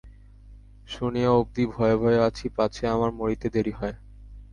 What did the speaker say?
শুনিয়া অবধি ভয়ে ভয়ে আছি, পাছে আমার মরিতে দেরি হয়।